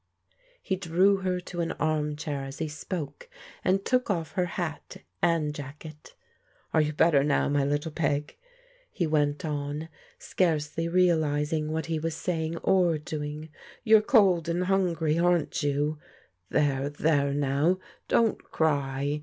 He drew her to an armchair as he spoke, and took off her hat and jacket "Are you better now, my little Peg?" he went on, scarcely realizing what he was sa3ang or doing. " You're cold and hungry, aren't you? There, there now, don't cry.